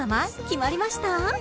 決まりました？］